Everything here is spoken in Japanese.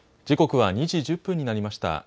時刻は２時１０分になりました。